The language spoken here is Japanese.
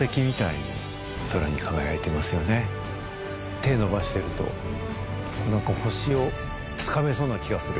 手を伸ばしていくと、なんか星をつかめそうな気がする。